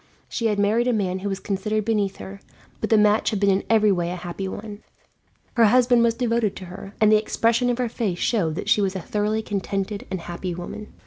She had married a man who was considered beneath her, but the match had been in every way a happy one. Her husband was devoted to her, and the expression of her face showed that she was a thoroughly contented and happy woman.